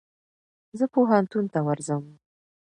زه پوهنتون ته ورځم.